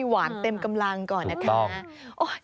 หวานเต็มกำลังก่อนนะคะ